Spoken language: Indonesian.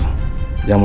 adapa ini bu andino